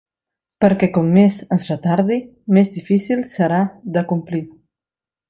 Perquè com més es retarde, més difícil serà d'acomplir.